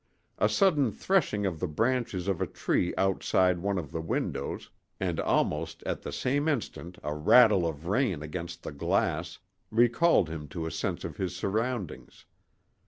A sudden threshing of the branches of a tree outside one of the windows, and almost at the same instant a rattle of rain against the glass, recalled him to a sense of his surroundings.